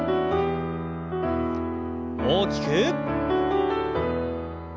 大きく。